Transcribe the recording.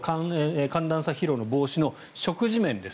寒暖差疲労の防止の食事面です。